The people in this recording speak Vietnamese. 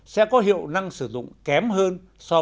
sẽ có hiệu năng sử dụng kém hơn